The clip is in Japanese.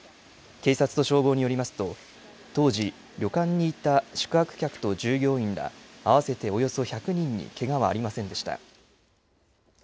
警察と消防によりますと、当時、旅館にいた宿泊客と従業員ら、合わせておよそ１００人にけがはありませんでした。